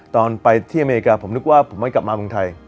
ตอนไปที่อเมริกาผมนึกว่าผมไม่กลับมาเมืองไทย